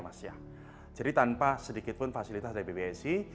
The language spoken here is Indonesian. jadi tanpa sedikitpun fasilitas dari bpsi